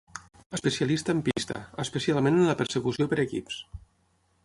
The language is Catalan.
Especialista en pista, especialment en la persecució per equips.